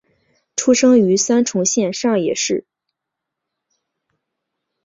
出生于三重县上野市。